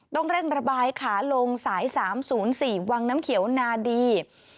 ต้องเร่งระบายขาลงสาย๓๐๔วังน้ำเขียวนาดี